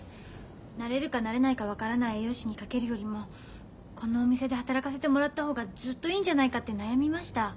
なれるかなれないか分からない栄養士にかけるよりもこのお店で働かせてもらった方がずっといいんじゃないかって悩みました。